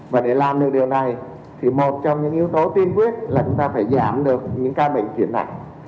và để làm được điều này thì một trong những yếu tố tiên quyết là chúng ta phải giảm được những ca bệnh chuyển nặng